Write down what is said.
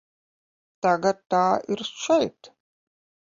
Tagad tā ir šeit.